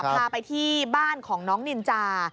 พาไปที่บ้านของน้องนินจา